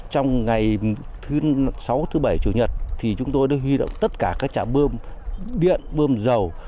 trong ngày thứ sáu thứ bảy chủ nhật thì chúng tôi đã huy động tất cả các trạm bơm điện bơm dầu